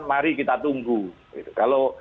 mari kita tunggu kalau